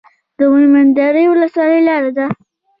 د مومند درې ولسوالۍ لاره ده